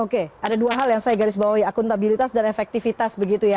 oke ada dua hal yang saya garis bawahi akuntabilitas dan efektivitas begitu ya